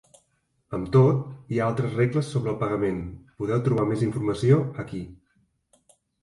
Amb tot, hi ha altres regles sobre el pagament; podeu trobar més informació aquí.